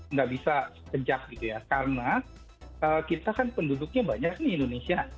nggak bisa kejak gitu ya karena kita kan penduduknya banyak nih indonesia